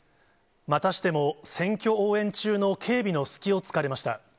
またしても選挙応援中の警備の隙をつかれました。